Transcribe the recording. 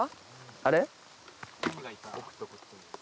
あれ？